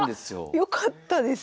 よかったです。